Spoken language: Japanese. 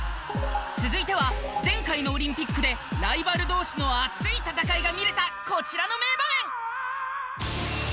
続いては前回のオリンピックでライバル同士の熱い戦いが見れたこちらの名場面！